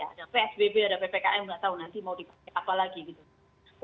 ada psbb ada ppkm nggak tahu nanti mau dipakai apa lagi gitu